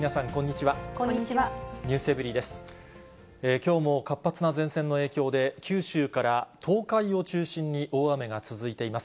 きょうも活発な前線の影響で、九州から東海を中心に大雨が続いています。